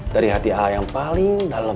dari hati a'a yang paling dalem